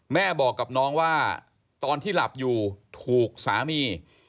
แม่บอกกับน้องว่าตอนที่หลับอยู่ถูกสามี